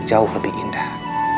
jauh lebih indah